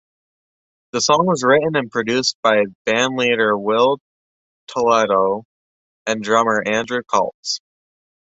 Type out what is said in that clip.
The song was written and produced by bandleader Will Toledo and drummer Andrew Katz.